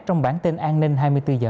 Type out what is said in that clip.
trong bản tin an ninh hai mươi bốn h